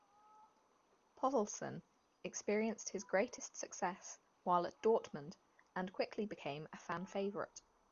Povlsen experienced his greatest success while at Dortmund, and quickly became a fan favourite.